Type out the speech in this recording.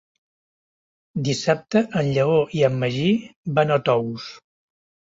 Dissabte en Lleó i en Magí van a Tous.